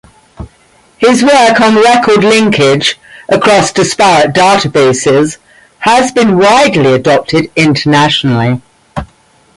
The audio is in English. His work on record linkage across disparate data bases has been widely adopted internationally.